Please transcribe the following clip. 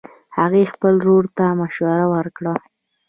هغې خپل ورور ته مشوره ورکړه